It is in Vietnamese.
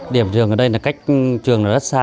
điểm trường ở đây là cách trường rất xa